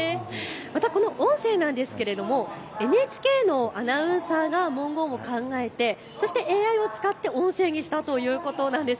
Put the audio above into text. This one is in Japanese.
またこの音声なんですけれどＮＨＫのアナウンサーが文言を考えてＡＩを使って音声にしたということなんです。